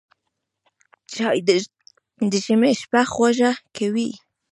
چای د ژمي شپه خوږه کوي